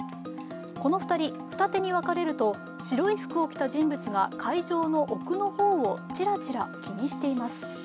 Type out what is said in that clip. この２人、二手に分かれると白い服を着た人物が会場の奥の方をチラチラ気にしています。